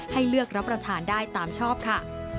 ให้เลือกรับประทานได้ตามชอบค่ะ